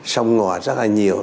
sông ngò rất là nhiều